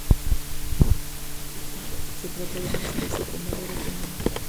Se trata de una especie con valor económico.